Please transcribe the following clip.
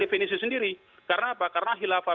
definisi sendiri karena apa karena hilafah